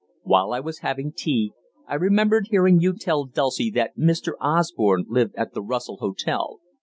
While I was having tea I remembered hearing you tell Dulcie that Mr. Osborne lived at the Russell Hotel.